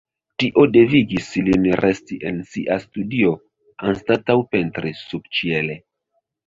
Tio devigis lin resti en sia studio anstataŭ pentri subĉiele.